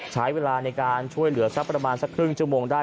ใช้เวลาเพื่อการช่วยเหลือสัก๑๒นได้